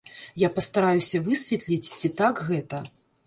Я пастараюся высветліць, ці так гэта.